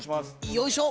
よいしょ。